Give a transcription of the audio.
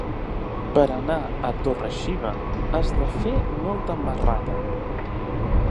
Per anar a Torre-xiva has de fer molta marrada.